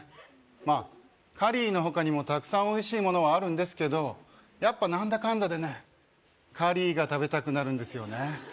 まあカリーの他にもたくさんおいしいものはあるんですけどやっぱ何だかんだでねカリーが食べたくなるんですよね